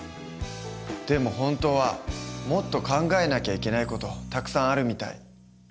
でも本当はもっと考えなきゃいけない事たくさんあるみたい。